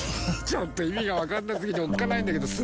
ちょっと意味がわかんなすぎておっかないんだけど全て。